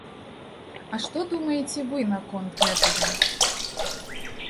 А што думаеце вы наконт гэтага?